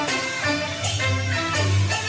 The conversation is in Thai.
โอ้โอ้โอ้โอ้